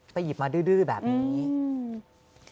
ไปหยิบมาดื้อแบบนี้